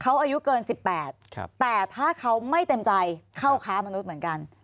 เขาอายุเกิน๑๘แต่ถ้าเขาไม่เต็มใจเข้าค้ามนุษย์เหมือนกัน